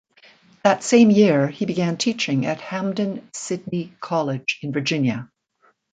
That same year, he began teaching at Hampden-Sydney College in Virginia.